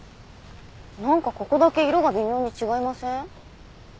なんかここだけ色が微妙に違いません？